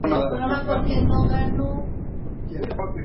Tiene a Fergie como voz principal.